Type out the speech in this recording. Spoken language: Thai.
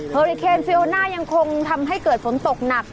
อริเคนฟิลน่ายังคงทำให้เกิดฝนตกหนัก